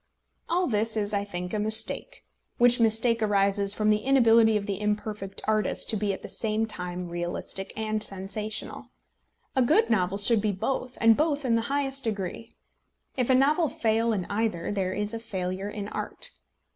All this is, I think, a mistake, which mistake arises from the inability of the imperfect artist to be at the same time realistic and sensational. A good novel should be both, and both in the highest degree. If a novel fail in either, there is a failure in art.